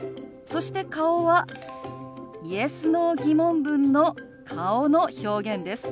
そして顔はＹｅｓ／Ｎｏ−疑問文の顔の表現です。